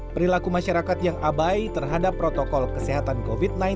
perilaku masyarakat yang abai terhadap protokol kesehatan covid sembilan belas